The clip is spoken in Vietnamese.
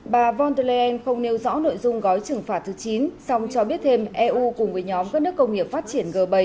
bà von der leyen không nêu rõ nội dung gói trừng phạt thứ chín song cho biết thêm eu cùng với nhóm các nước công nghiệp phát triển g bảy